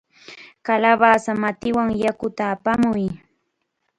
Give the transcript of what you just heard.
¡Kalawasa matiwan yakuta apamuy!